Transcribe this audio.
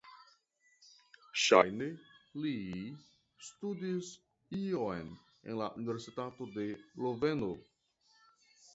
Ŝajne li studis ion en la Universitato de Loveno.